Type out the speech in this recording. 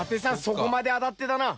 そこまで当たってたな。